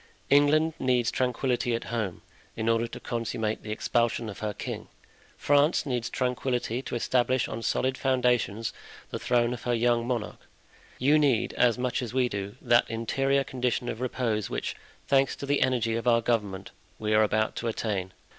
England needs tranquillity at home, in order to consummate the expulsion of her king; France needs tranquillity to establish on solid foundations the throne of her young monarch. You need, as much as we do, that interior condition of repose which, thanks to the energy of our government, we are about to attain.